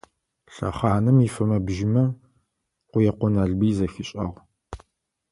Лъэхъаным ифэмэ-бжьымэ Къуекъо Налбый зэхишӏагъ.